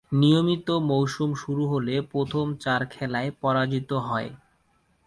নিয়মিত মৌসুম শুরু হলে প্রথম চার খেলায় পরাজিত হয়।